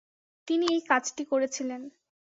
তিনি এই কাজটি করেছিলেন।